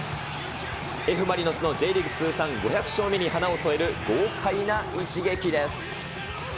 Ｆ・マリノスのＪリーグ通算５００勝目に花を添える豪快な一撃です。